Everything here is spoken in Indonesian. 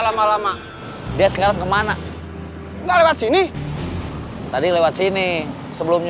sampai jumpa di video selanjutnya